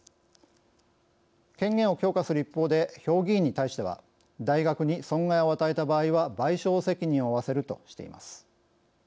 権限を強化する一方で評議員に対しては大学に損害を与えた場合は賠償責任を負わせるとしています。